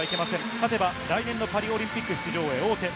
勝てば来年のパリオリンピック出場へ王手。